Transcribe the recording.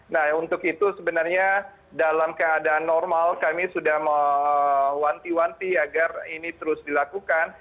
nah untuk itu sebenarnya dalam keadaan normal kami sudah mewanti wanti agar ini terus dilakukan